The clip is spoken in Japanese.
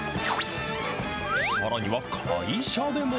さらには会社でも。